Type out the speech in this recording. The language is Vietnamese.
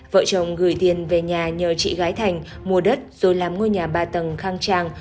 vợ chồng gửi tiền về nhà nhờ chị gái thành mua đất rồi làm ngôi nhà ba tầng khang trang